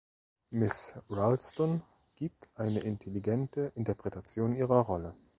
Miss Ralston gibt eine intelligente Interpretation ihrer Rolle.